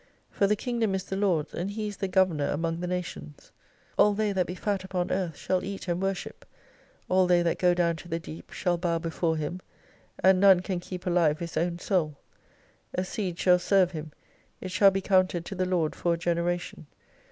For the Kingdom is the Lord's, and He is the governor amon^ the Nations. All they that be fat upon Earth shall eat and worship : all they that go down to the deep shall bow before Him, and none can keep alive his own Soul. A seed shall serve Him, it shall be counted to the Lord for a generation.